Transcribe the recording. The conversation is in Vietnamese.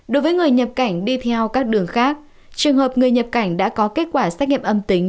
đối với người nhập cảnh đi theo các đường khác trường hợp người nhập cảnh đã có kết quả xét nghiệm âm tính